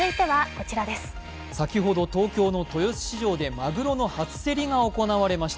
先ほどの東京の豊洲市場でまぐろの初競りが行われました。